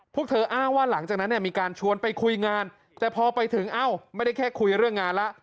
พวกเธออ้างว่าหลังจากนั้นเนี่ยมีการชวนไปคุยงานแต่พอไปถึงเอ้าไม่ได้แค่คุยเรื่องงานแล้ว